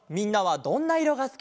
「どんないろがすき」「」